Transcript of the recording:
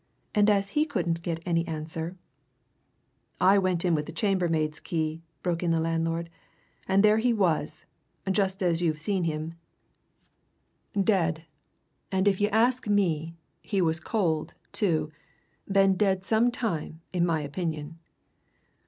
And as he couldn't get any answer " "I went in with the chambermaid's key," broke in the landlord, "and there he was just as you've seen him dead. And if you ask me, he was cold, too been dead some time, in my opinion."